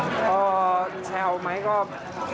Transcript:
ไม่แซวทั้งแหละคอมเมนต์แซวกัน